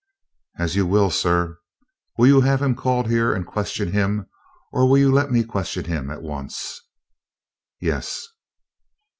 "As you will, sir. Will you have him called here and question him, or will you let me question him at once?" "Yes."